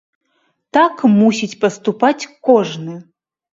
Так мусіць паступаць кожны.